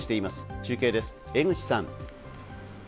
中継です、江口さん。